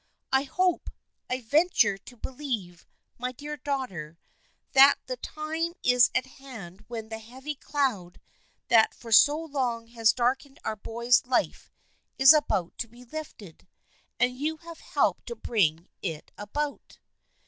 I hope, I venture to believe, my dear daughter, that the time is at hand when the heavy cloud that for so long has dark ened our boy's life is about to be lifted, and you have helped to bring it about."